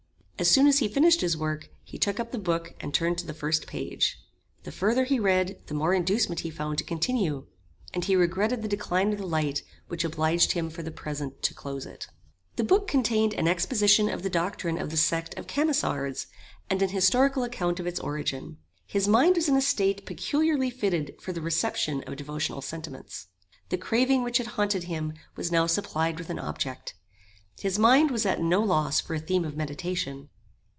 As soon as he finished his work, he took up the book and turned to the first page. The further he read, the more inducement he found to continue, and he regretted the decline of the light which obliged him for the present to close it. The book contained an exposition of the doctrine of the sect of Camissards, and an historical account of its origin. His mind was in a state peculiarly fitted for the reception of devotional sentiments. The craving which had haunted him was now supplied with an object. His mind was at no loss for a theme of meditation.